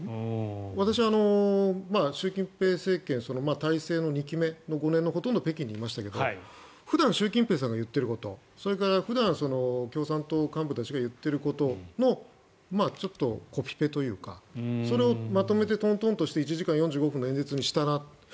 私は、習近平政権体制の２期目の５年のほとんどを北京にいましたが普段、習近平さんが言ってることそれから普段共産党幹部たちが言ってることのちょっとコピペというかそれをまとめてトントンとして１時間４５分の演説にしたなと。